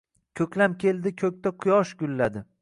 Ko’klam keldi, ko’kda quyosh gulladi